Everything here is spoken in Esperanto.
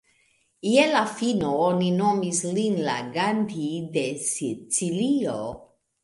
Je la fino, oni nomis lin la "Gandhi de Sicilio".